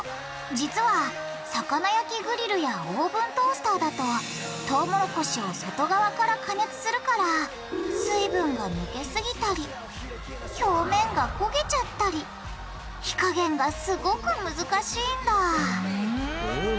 実は魚焼きグリルやオーブントースターだとトウモロコシを外側から加熱するから水分がぬけすぎたり表面がこげちゃったり火加減がすごく難しいんだふん。